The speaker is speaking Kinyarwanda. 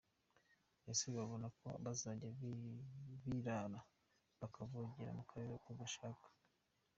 Ese babona ko bazajya birara bakavogera mu karere uko bashaka?